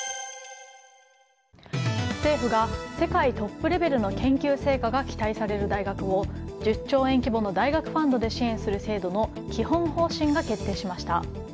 政府が世界トップレベルの研究成果が期待される大学を１０兆円規模の大学ファンドで支援する制度の基本方針が決定しました。